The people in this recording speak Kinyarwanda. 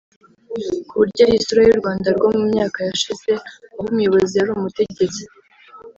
ku buryo ari isura y’u Rwanda rwo mu myaka yashize aho umuyobozi yari umutegetsi